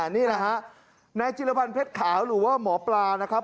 นี่แหละฮะนายจิลพันธ์เพชรขาวหรือว่าหมอปลานะครับ